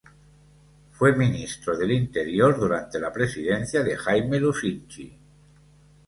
Fue ministro del Interior durante la presidencia de Jaime Lusinchi.